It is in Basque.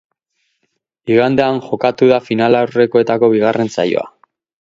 Igandean jokatu da finalaurrekoetako bigarren saioa.